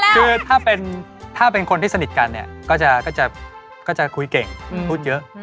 คือถ้าเป็นคนที่สนิทกันเนี่ยก็จะคุยเก่งพูดเยอะ